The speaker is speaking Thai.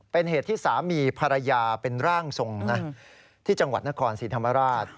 เป็นเหตุที่สามีภรรยาเป็นร่างทรงนะที่จังหวัดนครศรีธรรมราช